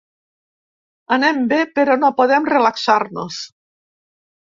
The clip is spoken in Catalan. Anem bé, però no podem relaxar-nos.